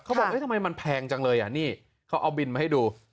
บอกทำไมมันแพงจังเลยอ่ะนี่เขาเอาบินมาให้ดู